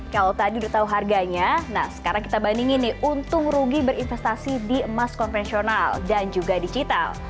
kalau tadi sudah tahu harganya sekarang kita bandingkan untung rugi berinvestasi di emas konvensional dan juga digital